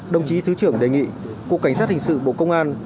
đồng chí thứ trưởng đề nghị cục cảnh sát hình sự bộ công an